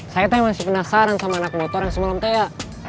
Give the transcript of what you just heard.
saya tuh masih penasaran sama anak motor yang semalam teh ya